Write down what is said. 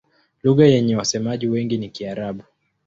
Lugha yenye wasemaji wengi ni Kiarabu.